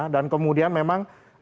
dan kemudian memang